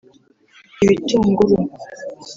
Ibitunguru